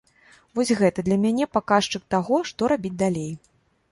Вось гэта для мяне паказчык таго, што рабіць далей.